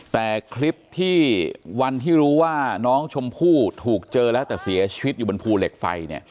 แต่คลิปที่วันที่รู้ว่าน้องชมพู่ถูกเจอแล้วแต่เสียชีวิตอยู่บนภูเหล็กไฟ